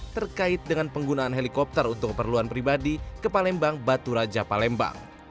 terkait dengan penggunaan helikopter untuk keperluan pribadi ke palembang batu raja palembang